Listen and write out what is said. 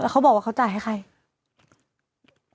เขาบอกว่าเขาจ่ายให้ใคร